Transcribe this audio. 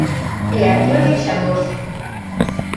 E aquí o deixamos.